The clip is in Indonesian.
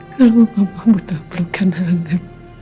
kalau bapak buta belukkan angget